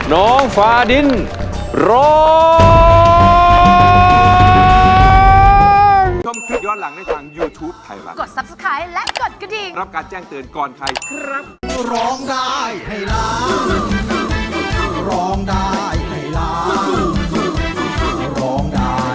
น้องฟาดินร้อง